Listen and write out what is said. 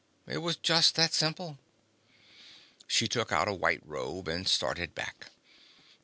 It was just that simple. She took out a white robe and started back.